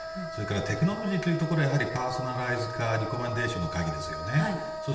それからテクノロジーというところがパーソナライズ化、リコメンデーションの鍵ですよね。